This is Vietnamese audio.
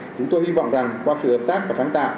chúng tôi hy vọng rằng qua sự hợp tác và sáng tạo